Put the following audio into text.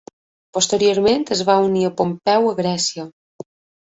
Posteriorment es va unir a Pompeu a Grècia.